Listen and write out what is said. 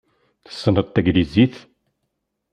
Tessneḍ taglizit?